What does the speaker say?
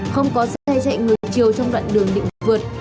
không có xe chạy ngược chiều trong đoạn đường định vượt